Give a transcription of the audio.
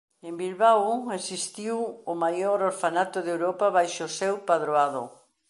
En Bilbao existiu existiu o maior orfanato de Europa baixo o seu padroado.